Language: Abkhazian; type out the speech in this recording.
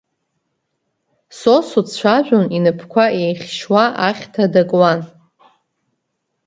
Сосо дцәажәон, инапқәа еихьшьуа ахьҭа дакуан.